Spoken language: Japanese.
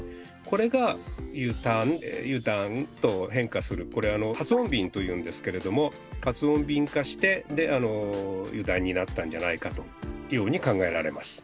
これが「ゆたん」「ゆだん」と変化するこれ発音便というんですけれども発音便化してで「油断」になったんじゃないかというように考えられます。